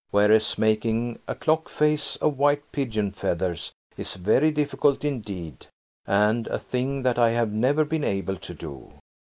Whereas making a clock face of white pigeon feathers is very difficult indeed–and a thing that I have never been able to do.